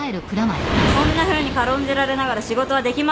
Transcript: そんなふうに軽んじられながら仕事はできません！